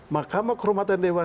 makam kehormatan dewa